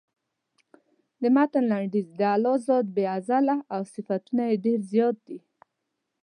د متن لنډیز د الله ذات بې زواله او صفتونه یې ډېر زیات دي.